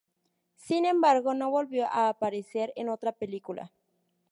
Sin embargo, no volvió a aparecer en otra película.